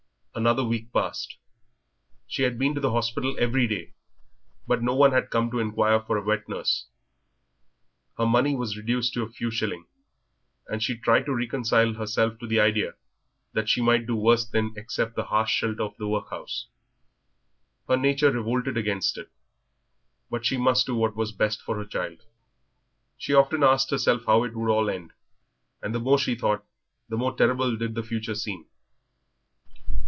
Another week passed. She had been to the hospital every day, but no one had been to inquire for a wet nurse. Her money was reduced to a few shillings, and she tried to reconcile herself to the idea that she might do worse than to accept the harsh shelter of the workhouse. Her nature revolted against it; but she must do what was best for the child. She often asked herself how it would all end, and the more she thought, the more terrible did the future seem.